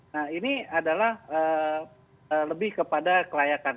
nah ini adalah lebih kepada kelayakan